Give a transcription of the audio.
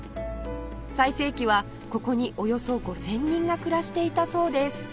最盛期はここにおよそ５０００人が暮らしていたそうです